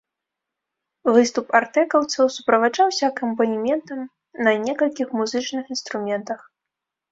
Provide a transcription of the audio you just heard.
Выступ артэкаўцаў суправаджаўся акампанементам на некалькіх музычных інструментах.